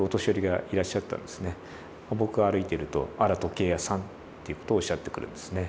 僕が歩いてると「あら時計屋さん」っていうことをおっしゃってくるんですね。